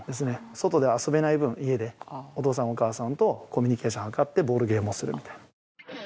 外で遊べない分家でお父さんお母さんとコミュニケーション図ってボールゲームをするみたいな。